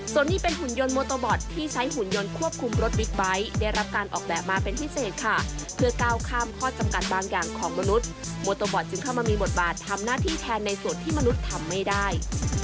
ส่วนนี้เป็นหุ่นยนโมโตบอตที่ใช้หุ่นยนต์ควบคุมรถบิ๊กไบท์ได้รับการออกแบบมาเป็นพิเศษค่ะเพื่อก้าวข้ามข้อจำกัดบางอย่างของมนุษย์โมโตบอตจึงเข้ามามีบทบาททำหน้าที่แทนในส่วนที่มนุษย์ทำไม่ได้